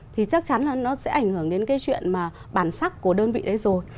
thì chắc chắn là nó sẽ ảnh hưởng đến cái chuyện mà bản sắc của đơn vị đấy rồi